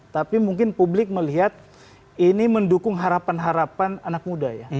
tapi mungkin publik melihat ini mendukung harapan harapan anak muda ya